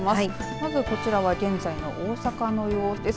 まずこちらは現在の大阪の様子です。